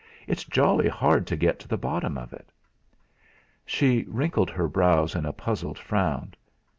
It's jolly hard to get to the bottom of it!" She wrinkled her brows in a puzzled frown.